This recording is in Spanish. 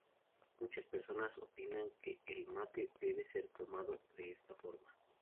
Muchas personas opinan que el mate debe ser tomado de esta forma.